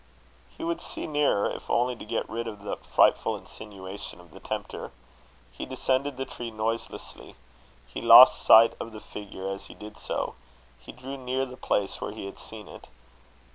He would see nearer, if only to get rid of that frightful insinuation of the tempter. He descended the tree noiselessly. He lost sight of the figure as he did so. He drew near the place where he had seen it.